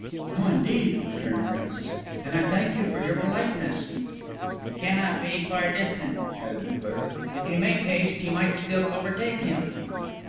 "No, indeed," returned Francis; "and I thank you for your politeness." "He cannot yet be far distant," added the clerk. "If you make haste you might still overtake him."